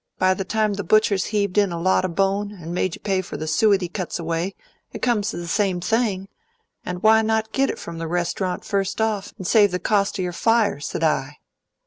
By the time the butcher's heaved in a lot o' bone, and made you pay for the suet he cuts away, it comes to the same thing, and why not GIT it from the rest'rant first off, and save the cost o' your fire? s'd I."